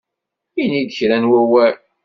Ini-d kra n wawal!